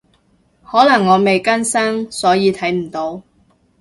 可能我未更新，所以睇唔到